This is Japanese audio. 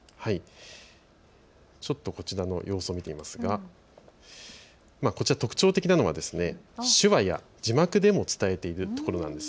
こちらの様子を見てみますが特徴的なのは手話や字幕でも伝えているところなんです。